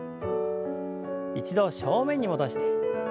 一度正面に戻して。